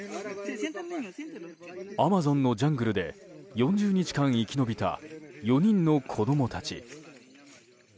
アマゾンのジャングルで４０日間生き延びた４人の子供たち。